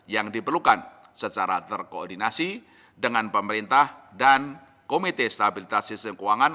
yang diperlukan secara terkoordinasi dengan pemerintah dan komite stabilitas sistem keuangan